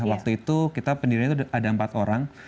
waktu itu kita pendirian itu ada empat orang